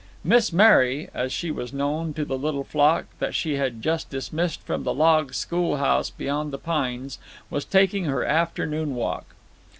"Miss Mary," as she was known to the little flock that she had just dismissed from the log schoolhouse beyond the pines, was taking her afternoon walk.